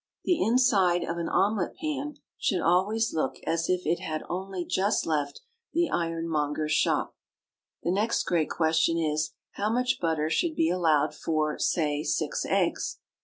The inside of an omelet pan should always look as if it had only just left the ironmonger's shop. The next great question is, how much butter should be allowed for, say, six eggs?